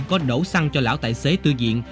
có đổ xăng cho lão tài xế tư diện